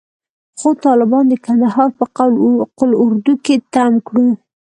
خو طالبانو د کندهار په قول اردو کښې تم کړو.